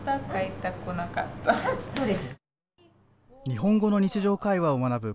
日本語の日常会話を学ぶ